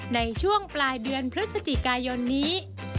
ในช่วงปลายเดือนพฤศจิกายนนี้